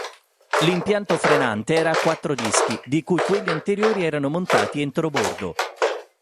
L'impianto frenante era a quattro dischi di cui quelli anteriori erano montati entrobordo.